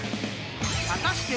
［果たして］